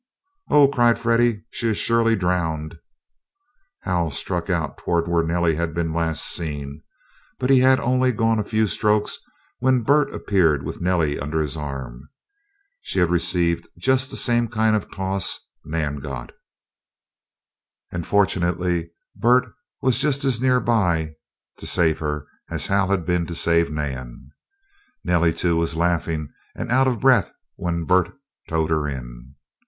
"Oh," cried Freddie. "She is surely drowned!" Hal struck out toward where Nellie had been last seen, but he had only gone a few strokes when Bert appeared with Nellie under his arm. She had received just the same kind of toss Nan got, and fortunately Bert was just as near by to save her, as Hal had been to save Nan. Nellie, too, was laughing and out of breath when Bert towed her in.